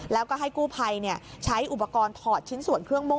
แล้วก็ให้กู้ภัยใช้อุปกรณ์ถอดชิ้นส่วนเครื่องโม่